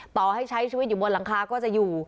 ต่อให้ใช้ชีวิตอยู่บนหลังคาก็จะอยู่